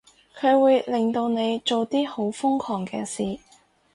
佢會令到你做啲好瘋狂嘅事